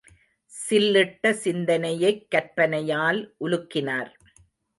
சில்லிட்ட சிந்தனையைக் கற்பனையால் உலுக்கினார்.